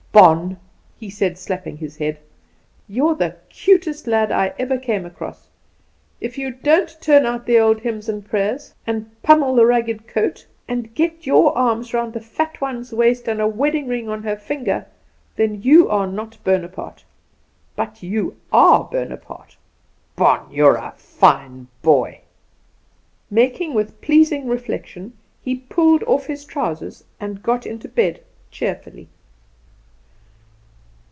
"Bon," he said, slapping his leg, "you're the cutest lad I ever came across. If you don't turn out the old Hymns and prayers, and pummel the Ragged coat, and get your arms round the fat one's waist and a wedding ring on her finger, then you are not Bonaparte. But you are Bonaparte. Bon, you're a fine boy!" Making which pleasing reflection, he pulled off his trousers and got into bed cheerfully.